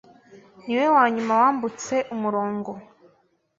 Niwe wanyuma wambutse umurongo.